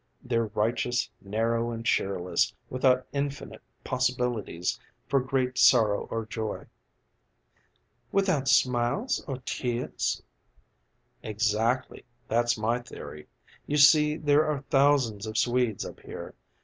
They're righteous, narrow, and cheerless, without infinite possibilities for great sorrow or joy." "Without smiles or tears?" "Exactly. That's my theory. You see there are thousands of Swedes up here.